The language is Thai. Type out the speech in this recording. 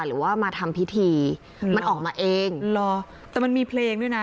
ทำพิธีมันออกมาเองหรอแต่มันมีเพลงด้วยน่ะ